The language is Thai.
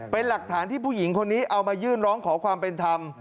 เป็นหลักฐานที่ผู้หญิงคนนี้เอามายื่นร้องขอความเป็นธรรม